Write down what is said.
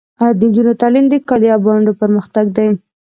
د نجونو تعلیم د کلیو او بانډو پرمختګ دی.